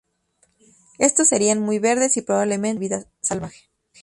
Estos serán, muy verdes y probablemente llenos de vida salvaje.